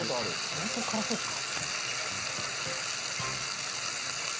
相当辛そうですね。